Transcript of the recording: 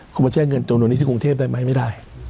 คุณมาแช่เงินจนโดยนี้ที่กรุงเทพฯได้ไหมไม่ได้